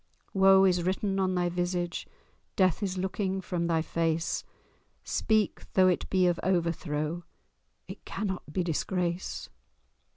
Woe is written on thy visage, Death is looking from thy face; Speak! though it be of overthrow— It cannot be disgrace!"